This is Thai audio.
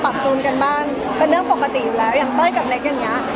ปรับจูลกันบ้างมันเรื่องปกติยังเต้ยเต้ยกับเล็กอย่างงี้